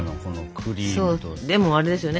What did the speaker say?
でもあれですよね。